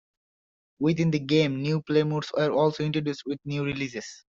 Within the game, new play modes were also introduced with new releases.